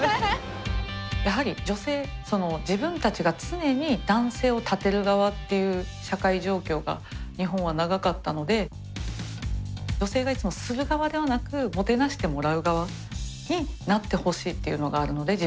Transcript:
やはり女性その自分たちが常に男性を立てる側っていう社会状況が日本は長かったので女性がいつもする側ではなくもてなしてもらう側になってほしいっていうのがあるので自分が。